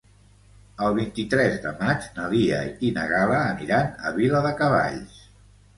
El vint-i-tres de maig na Lia i na Gal·la aniran a Viladecavalls.